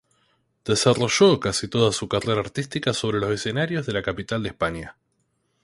Desarrollo casi toda su carrera artística sobre los escenarios de la capital de España.